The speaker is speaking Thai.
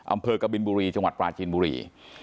อำเภอกบิลบุรีจังหวัดปลาจีนบุรี